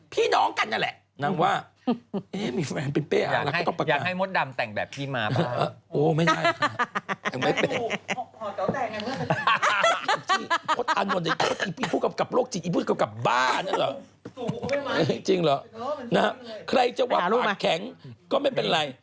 พี่น้องกันน่ะแหละ